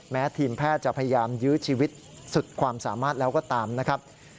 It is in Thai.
แม้ทีมแพทย์จะพยายามยื้อชีวิตสุดความสามารถแล้วก็ตามนะครับ